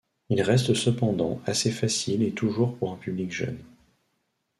Il reste cependant assez facile et toujours pour un public jeune.